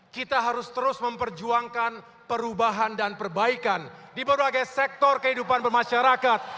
kita harus terus memperjuangkan perubahan dan perbaikan di berbagai sektor kehidupan bermasyarakat